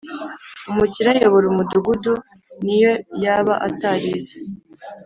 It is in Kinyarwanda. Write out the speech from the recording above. umukire ayobora umudugudu niyo yaba atarize